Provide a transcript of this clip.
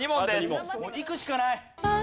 いくしかない。